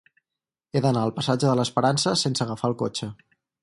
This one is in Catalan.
He d'anar al passatge de l'Esperança sense agafar el cotxe.